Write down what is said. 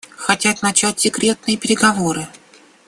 Хотят начать секретные переговоры.